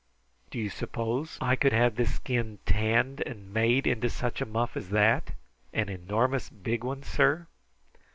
Do you suppose I could have this skin tanned and made into such a muff as that? an enormous big one, sir?"